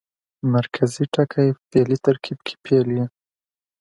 مرکزي ټکی په فعلي ترکیب کښي فعل يي.